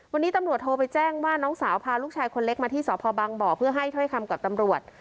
วันนี้ตำรวจโทรไปแจ้งว่าน้องสาวพาลูกชายคนเล็กมาที่สพบังบ่อเพื่อให้ถ้อยคำกับตำรวจ